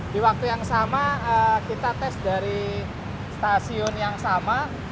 di waktu yang sama kita tes dari stasiun yang sama